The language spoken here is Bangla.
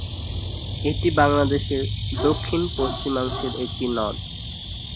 এটি বাংলাদেশের দক্ষিণ পশ্চিমাংশের একটি নদ।